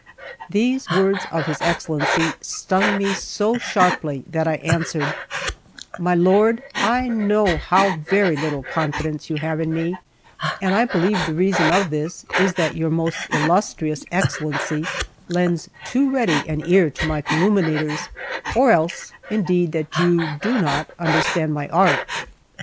These words of his Excellency stung me so sharply that I answered: "My lord, I know how very little confidence you have in me; and I believe the reason of this is that your most illustrious Excellency lends too ready an ear to my calumniators, or else indeed that you do not understand my art."